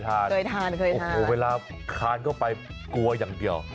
พี่เติมก็เคยทานเวลาทานเข้าไปกลัวอย่างเดียว